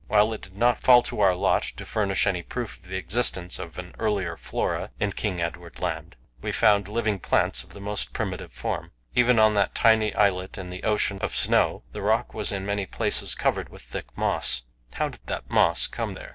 While it did not fall to our lot to furnish any proof of the existence of an earlier flora in King Edward Land, we found living plants of the most primitive form. Even on that tiny islet in the ocean of snow the rock was in many places covered with thick moss. How did that moss come there?